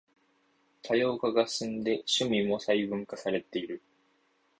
多様化が進んで趣味も細分化されてる